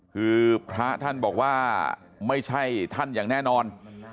คือพระท่านบอกว่าไม่ใช่ท่านอย่างแน่นอน